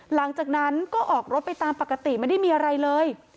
หลังจากนั้นก็ออกรถไปตามปกติไม่ได้มีอะไรเลย